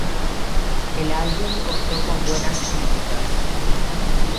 El álbum contó con buenas críticas.